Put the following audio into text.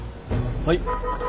はい。